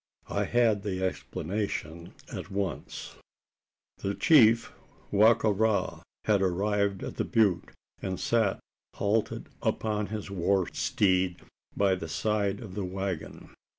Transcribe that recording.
I had the explanation at once. The chief, Wa ka ra, had arrived at the butte; and sat halted upon his war steed by the side of the waggon.